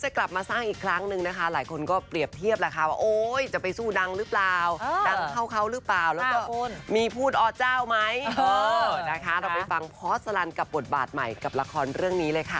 เออนะคะเราไปฟังพอร์ตสลันกับบทบาทใหม่กับละครเรื่องนี้เลยค่ะ